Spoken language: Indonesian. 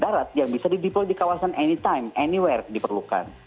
darat yang bisa dideploy di kawasan anytime anywhere diperlukan